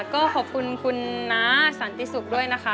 ก็ขอบคุณคุณน้าสันติสุขด้วยนะคะ